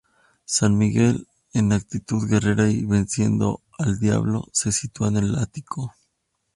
San Miguel, en actitud guerrera y venciendo al Diablo, se sitúa en el ático.